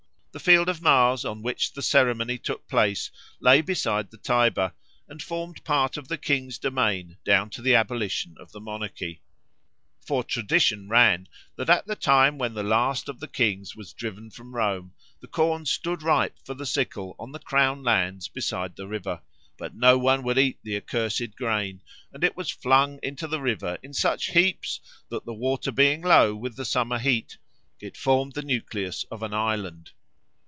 The Field of Mars on which the ceremony took place lay beside the Tiber, and formed part of the king's domain down to the abolition of the monarchy. For tradition ran that at the time when the last of the kings was driven from Rome, the corn stood ripe for the sickle on the crown lands beside the river; but no one would eat the accursed grain and it was flung into the river in such heaps that, the water being low with the summer heat, it formed the nucleus of an island.